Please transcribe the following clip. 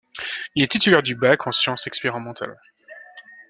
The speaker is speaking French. Il est titulaire du bac en sciences expérimentales.